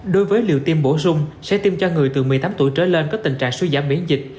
đối với liều tiêm bổ sung sẽ tiêm cho người từ một mươi tám tuổi trở lên có tình trạng suy giảm miễn dịch